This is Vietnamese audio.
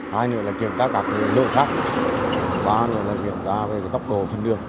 hai nữa là kiểm tra các lượng khác ba nữa là kiểm tra tốc độ phân đường